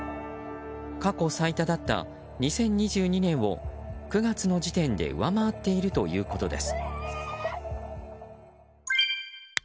過去最多だった２０２２年を９月の時点で上回っているということです。